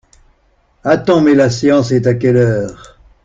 Attends mais la séance est à quelle heure?